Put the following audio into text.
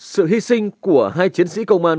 sự hy sinh của hai chiến sĩ công an